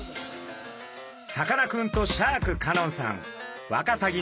さかなクンとシャーク香音さん